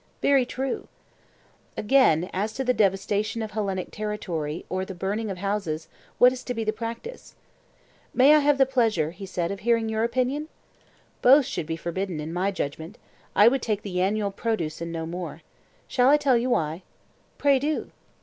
Very true. Again, as to the devastation of Hellenic territory or the burning of houses, what is to be the practice? May I have the pleasure, he said, of hearing your opinion? Both should be forbidden, in my judgment; I would take the annual produce and no more. Shall I tell you why? Pray do.